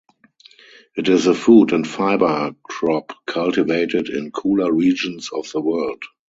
It is a food and fiber crop cultivated in cooler regions of the world.